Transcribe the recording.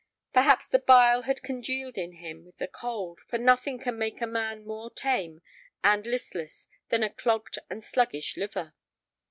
Perhaps the bile had congealed in him with the cold, for nothing can make a man more tame and listless than a clogged and sluggish liver.